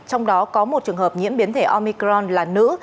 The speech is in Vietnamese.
trong đó có một trường hợp nhiễm biến thể omicron là nữ